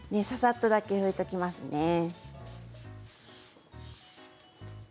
ささっとだけ拭いておきますね。